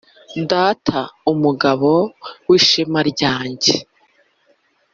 data mugabo w’ishema rya njye